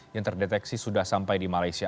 yang terdeteksi sudah sampai di malaysia